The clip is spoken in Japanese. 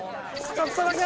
ちょっとだけ。